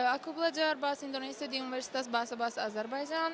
aku belajar bahasa indonesia di universitas bahasa bahasa azerbaijam